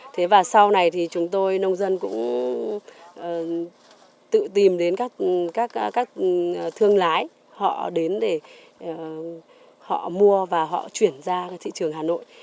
thế và sau này thì chúng tôi nông dân cũng tự tìm đến các thương lái họ đến để họ mua và họ chuyển ra thị trường hà nội